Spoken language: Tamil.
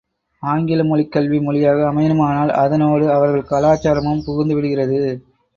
ஆங்கில மொழிக் கல்வி மொழியாக அமையுமானால் அதனோடு அவர்கள் கலாச்சாரமும் புகுந்துவிடுகிறது.